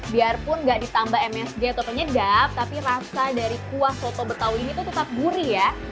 biarpun nggak ditambah msg atau penyedap tapi rasa dari kuah soto betawi ini tuh tetap gurih ya